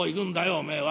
おめえは。